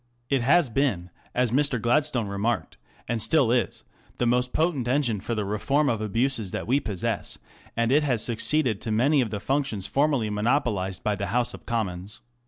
It has been, as Mr. Gladstone remarked, and still is, the most potent engine for the reform of abuses that we possess, and it has succeeded to many of the functions formerly monopolized by the House of Commons.